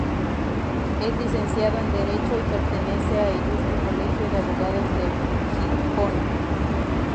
Es Licenciado en Derecho y pertenece al Ilustre Colegio de Abogados de Gijón.